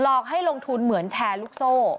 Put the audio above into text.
อกให้ลงทุนเหมือนแชร์ลูกโซ่